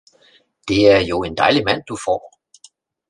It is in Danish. Det er jo en dejlig mand, du får